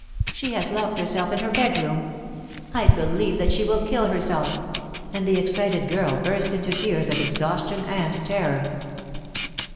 She has locked herself in her bedroom. I believe that she will kill herself!" and the excited girl burst into tears of exhaustion and terror.